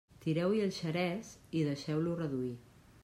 Tireu-hi el xerès i deixeu-lo reduir.